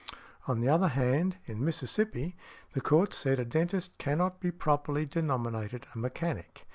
On the other hand, in Mississippi, the Court said, "A dentist cannot be properly denominated a 'mechanic.